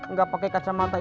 gak pake kacamata hitam aja